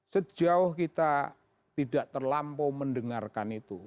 sejauh kita tidak terlampau mendengarkan itu